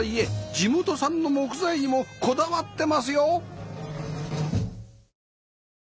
地元産の木材にもこだわってますよ！